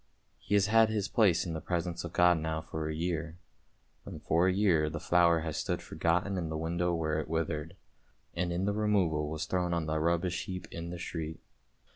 He has had his place in the presence of God now for a year, and for a year the flower has stood forgotten in the window where it withered, and in the removal was thrown on to the rubbish heap in the street.